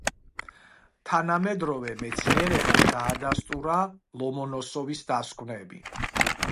თანამედროვე მეცნიერებამ დაადასტურა ლომონოსოვის დასკვნები.